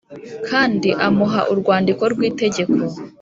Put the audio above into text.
Kandi amuha urwandiko rw itegeko